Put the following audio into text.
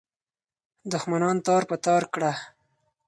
دښمنان تار په تار کړه.